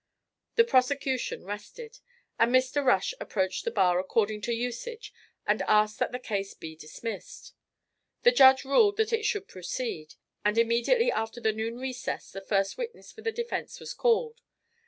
The prosecution rested, and Mr. Rush approached the bar according to usage and asked that the case be dismissed. The judge ruled that it should proceed; and immediately after the noon recess the first witness for the defence was called.